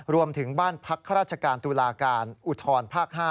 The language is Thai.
รวมถึงบ้านพักข้าราชการตุลาการอุทธรภาค๕